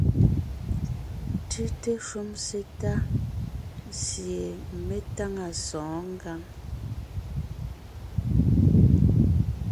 Tʉ́te shúm sétʉ̂a sie me táŋa sɔ̌ɔn ngǎŋ.